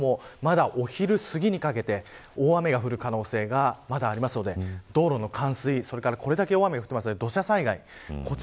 まだお昼すぎにかけて大雨が降る可能性がまだありますので道路の冠水、それからこれだけ大雨が降っているので土砂災害